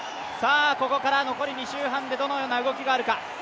ここから残り２周半でどのような動きがあるか？